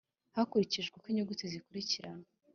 hakurikijwe uko inyuguti zikurikirana